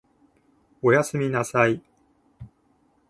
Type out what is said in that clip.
お休みなさい